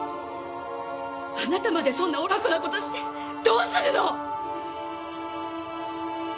あなたまでそんな愚かな事してどうするの！